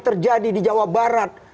terjadi di jawa barat